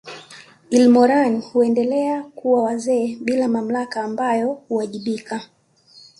Ilmoran huendelea kuwa wazee bila mamlaka ambao huwajibika